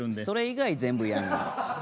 それ以外全部やんの？